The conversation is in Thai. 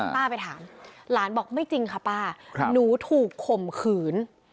ไปถามหลานบอกไม่จริงค่ะป้าหนูถูกข่มขืน